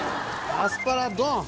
アスパラドン！